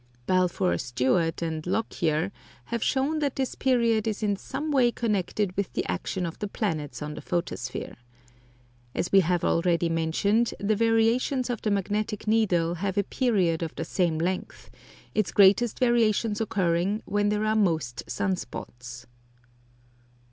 Balfour Stewart and Lockyer have shown that this period is in some way connected with the action of the planets on the photosphere. As we have already mentioned, the variations of the magnetic needle have a period of the same length, its greatest variations occurring when there are most sun spots.